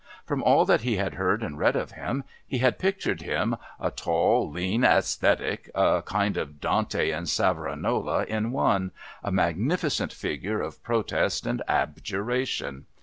From all that he had heard and read of him, he had pictured him a tall, lean ascetic, a kind of Dante and Savonarola in one, a magnificent figure of protest and abjuration.